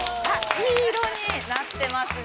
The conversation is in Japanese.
◆いい色になってますね。